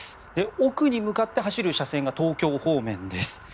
奥に向かって走る車線が東京方面です。